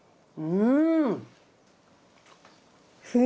うん。